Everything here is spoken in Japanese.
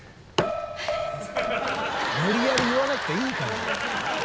無理やり言わなくていいから。